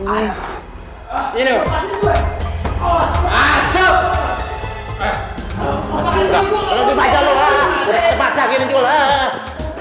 udah saya paksainin dulu